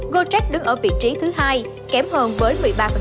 gorek đứng ở vị trí thứ hai kém hơn với một mươi ba